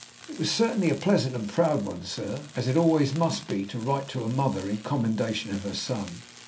"It was certainly a pleasant and proud one, sir, as it always must be, to write to a mother in commendation of her son.